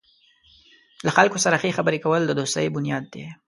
له خلکو سره ښې خبرې کول د دوستۍ بنیاد دی.